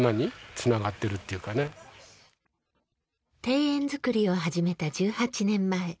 庭園づくりを始めた１８年前。